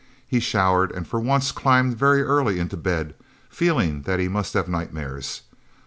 He showered, and for once climbed very early into bed, feeling that he must have nightmares.